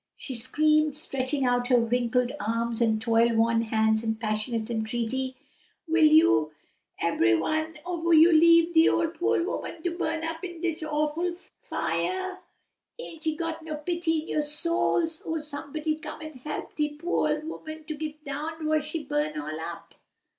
she screamed, stretching out her wrinkled arms and toil worn hands in passionate entreaty; "will you ebery one ob you leave de po' ole woman to burn up in dis awful fiah? Isn't ye got no pity in yo' souls! Oh, somebody come an' help de po' ole woman to git down 'fore she burn all up!"